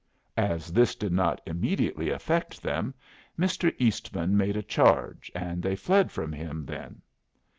As this did not immediately affect them, Mr. Eastman made a charge, and they fled from him then.